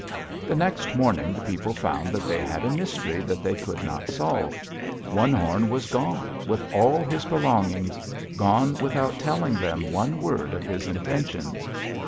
The next morning the people found that they had a mystery that they could not solve: One Horn was gone with all his belongings, gone without telling them one word of his intentions!